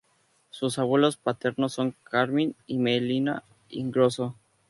Sus abuelos paternos son Carmine y Melina Ingrosso.